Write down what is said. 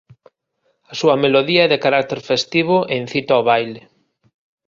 A súa melodía é de carácter festivo e incita ao baile.